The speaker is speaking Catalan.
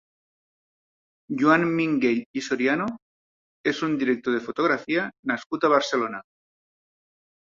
Joan Minguell i Soriano és un director de fotografia nascut a Barcelona.